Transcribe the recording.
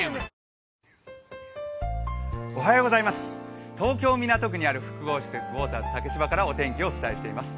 ニトリ東京・港区にある複合施設、ウォーターズ竹芝からお天気をお伝えしています。